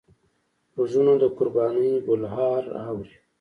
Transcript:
غوږونه د قربانۍ بلهار اوري